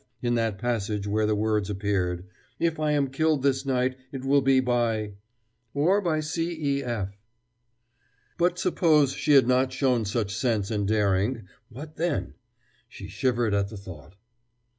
in that passage where the words appeared: "If I am killed this night it will be by or by C. E. F." But suppose she had not shown such sense and daring, what then? She shivered at the thought.